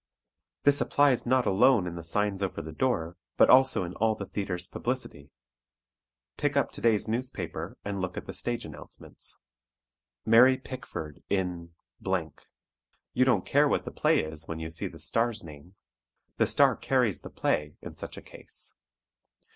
This applies not alone in the signs over the door, but also in all the theatre's publicity. Pick up today's newspaper, and look at the stage announcements. "Mary Pickford in " you don't care what the play is when you see the star's name. The star carries the play, in such a case.